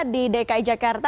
di dki jakarta